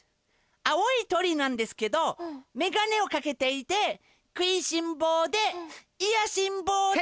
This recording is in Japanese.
青いとりなんですけどめがねをかけていてくいしんぼうでいやしんぼうで。